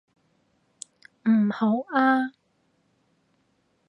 唔好啊！